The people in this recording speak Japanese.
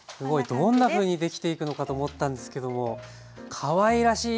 どんなふうにできていくのかと思ったんですけどもかわいらしい！